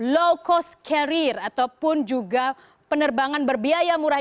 low cost carrier ataupun juga penerbangan berbiaya murah